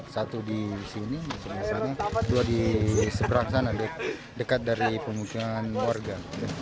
satu di sini dua di seberang sana dekat dari pemukiman warga